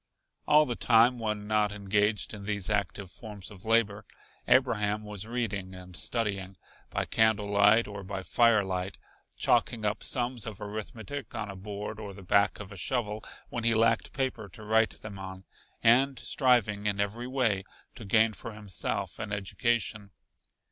All the time when not engaged in these active forms of labor, Abraham was reading and studying, by candle light or by firelight, chalking up sums of arithmetic on a board or the back of a shovel when he lacked paper to write them on, and striving in every way to gain for himself an education.